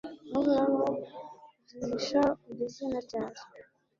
Uhoraho uzihisha ugeze na ryari?